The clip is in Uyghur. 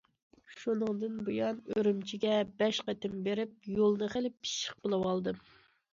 شۇنىڭدىن بۇيان ئۈرۈمچىگە بەش قېتىم بېرىپ، يولنى خېلى پىششىق بىلىۋالدىم.